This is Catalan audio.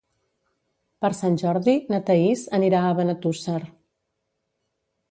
Per Sant Jordi na Thaís anirà a Benetússer.